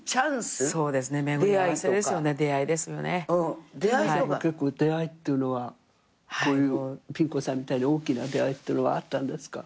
天童さんは出会いっていうのはこういうピン子さんみたいに大きな出会いっていうのはあったんですか？